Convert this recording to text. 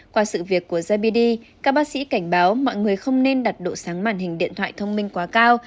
qua sự việc của zbd các bác sĩ cảnh báo mọi người không nên đặt độ sáng màn hình điện thoại thông minh quá cao